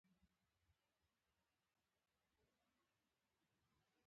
په حجرو کې خلک راټولیږي.